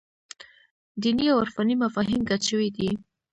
دیني او عرفاني مفاهیم ګډ شوي دي.